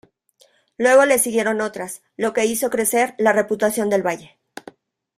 Luego le siguieron otras, lo que hizo crecer la reputación del valle.